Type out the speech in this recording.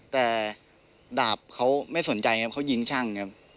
แต่ดาบเขาไม่สนใจเขายิงช่าง